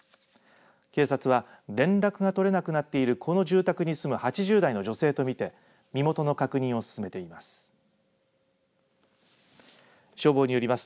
警察は連絡が取れなくなっているこの住宅に住む８０代の女性と見て身元の確認を進めています。